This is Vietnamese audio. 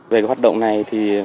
về hoạt động này